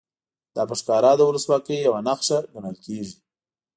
دا په ښکاره د ولسواکۍ یوه نښه ګڼل کېږي.